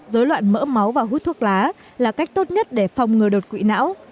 dối loạn mỡ máu và hút thuốc lá là cách tốt nhất để phòng ngừa đột quỵ não